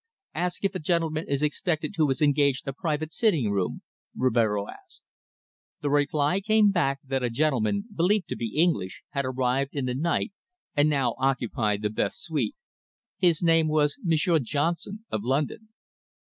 "Ask if a gentleman is expected who has engaged a private sitting room," Rivero said. The reply came back that a gentleman, believed to be English, had arrived in the night and now occupied the best suite. His name was Monsieur Johnson, of London.